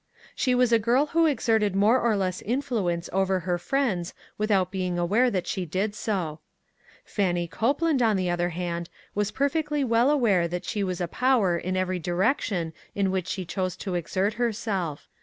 She was a girl who exerted more or less influence over her friends without being aware that she did so. Fannie Cope land, on the other hand, was perfectly well 54 ONE COMMONPLACE DAY. aware that she was a power in every direc tion in which she chose to exert herself.